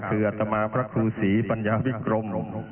คืออัตมาพระครูศรีปัญญาวิกรม